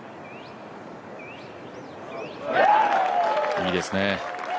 いいですね